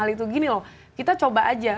hal itu gini loh kita coba aja